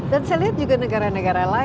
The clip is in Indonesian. dan saya lihat juga negara negara lain juga